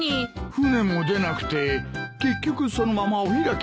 船も出なくて結局そのままお開きになったんだ。